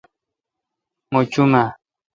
مہ چو م اہ؟